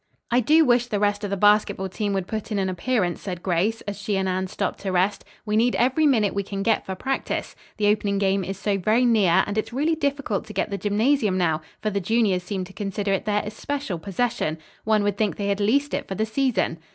"I do wish the rest of the basketball team would put in an appearance," said Grace, as she and Anne stopped to rest. "We need every minute we can get for practice. The opening game is so very near, and it's really difficult to get the gymnasium now, for the juniors seem to consider it their especial possession. One would think they had leased it for the season."